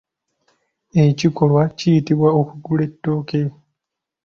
Ekikolwa kiyitibwa okugula ettooke.